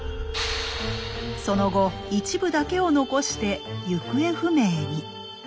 その後一部だけを残して行方不明に。